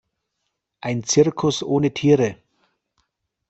Ein Zirkus ohne Tiere?